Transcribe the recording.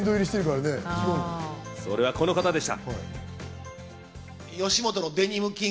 それはこの方でした。